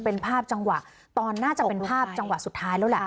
เป็นภาพจังหวะตอนน่าจะเป็นภาพจังหวะสุดท้ายแล้วแหละ